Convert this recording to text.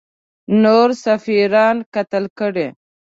نور سفیران قتل کړي.